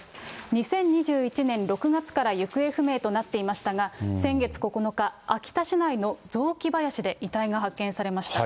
２０２１年６月から行方不明となっていましたが、先月９日、秋田市内の雑木林で遺体が発見されました。